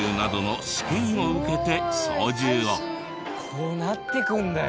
こうなっていくんだよ。